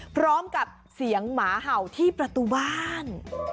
พร้อมกับเสียงหมาเห่าที่ประตูบ้าน